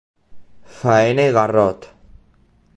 Faena i garrot.